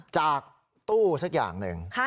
จากตู้สักอย่างหนึ่ง